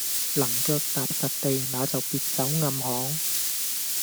能腳踏實地，那就別走暗巷。